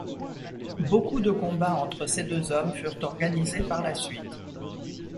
Beaucoup de combats entre ces deux hommes furent organisés par la suite.